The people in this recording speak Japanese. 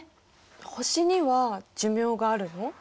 星には寿命があるの？